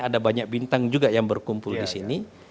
ada banyak bintang juga yang berkumpul di sini